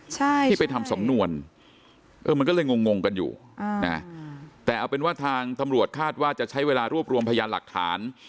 ใช่ที่ไปทำสำนวนเออมันก็เลยงงงกันอยู่อ่านะแต่เอาเป็นว่าทางตำรวจคาดว่าจะใช้เวลารวบรวมพยานหลักฐาน